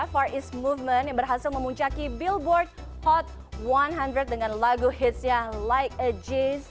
far east movement yang berhasil memuncaki billboard hot seratus dengan lagu hitsnya light a j enam